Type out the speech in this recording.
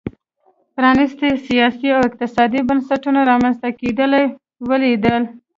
پرانیستو سیاسي او اقتصادي بنسټونو رامنځته کېدل ولیدل.